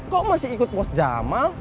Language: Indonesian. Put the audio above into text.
kok masih ikut pos jamal